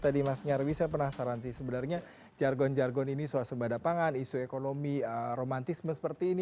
tadi mas nyarwi saya penasaran sih sebenarnya jargon jargon ini suasembada pangan isu ekonomi romantisme seperti ini